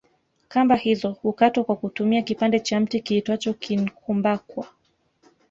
Kamba hizo hukatwa kwa kutumia kipande cha mti kiitwacho kinkumbakwa